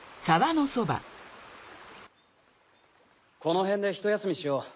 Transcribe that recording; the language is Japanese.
この辺でひと休みしよう。